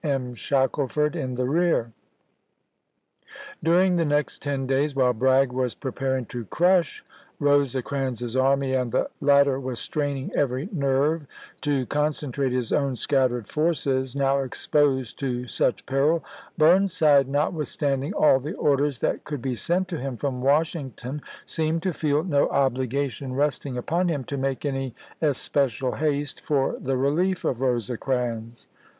M. Shackleford in the rear. During the next ten days, while Bragg was preparing to crush Eosecrans's army, and the latter was straining every nerve to concentrate his own scattered forces, now exposed to such peril, Burnside, nothwithstanding all the orders that could be sent to him from Washington, seemed to feel no obligation resting upon him to make any especial haste for the relief of Rosecrans.